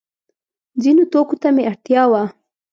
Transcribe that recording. ځینو توکو ته مې اړتیا وه.